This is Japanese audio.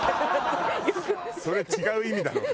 それ違う意味だろうよ。